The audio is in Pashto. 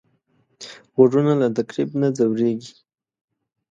غوږونه له تکلیف نه ځورېږي